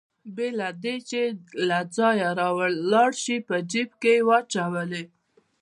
بې له دې چې له ځایه راولاړ شي په جېب کې يې واچولې.